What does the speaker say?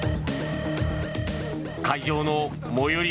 会場の最寄り